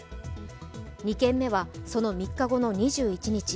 ２件目はその３日後の２１日。